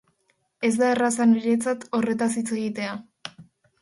Ez da erraza niretzat horretaz hitz egitea.